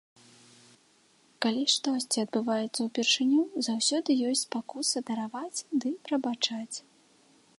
Калі штосьці адбываецца ўпершыню, заўсёды ёсць спакуса дараваць ды прабачаць.